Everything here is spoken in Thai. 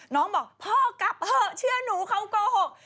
น้องบอกพ่อกลับเถอะเชื่อหนูเขาโกหก